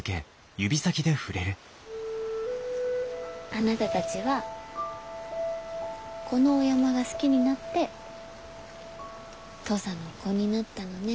あなたたちはこのお山が好きになって土佐の子になったのね。